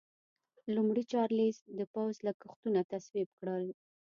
لومړي چارلېز د پوځ لګښتونه تصویب کړل.